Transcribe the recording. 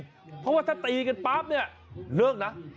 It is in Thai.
เพราะว่าถ้าตีกันปั๊บเนี่ยเลิกนะ